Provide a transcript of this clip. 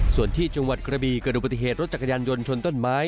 ส่วนที่จังหวัดกระบีกระดูกปฏิเหตุรถจักรยานยนต์ชนต้นไม้